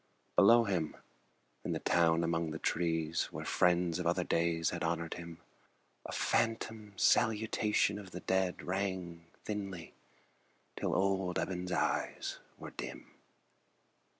Below him, in the town among the trees, Where friends of other days had honored him, A phantom salutation of the dead Rang thinly till old Eben's eyes were dim.